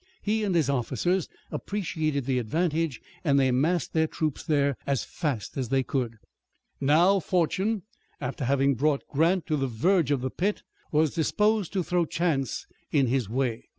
He and his officers appreciated the advantage and they massed the troops there as fast as they could. Now Fortune, after having brought Grant to the verge of the pit, was disposed to throw chances in his way.